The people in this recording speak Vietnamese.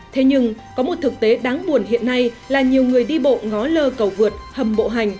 thế nhưng có một thực tế đáng buồn hiện nay là nhiều người đi bộ ngó lơ cầu vượt hầm bộ hành